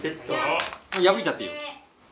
破いちゃっていいよ。